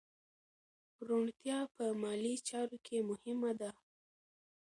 روڼتیا په مالي چارو کې مهمه ده.